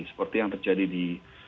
seperti yang terjadi di